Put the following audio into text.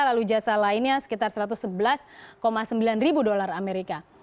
lalu jasa lainnya sekitar satu ratus sebelas sembilan ribu dolar amerika